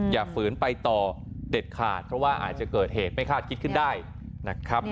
ฝืนไปต่อเด็ดขาดเพราะว่าอาจจะเกิดเหตุไม่คาดคิดขึ้นได้นะครับ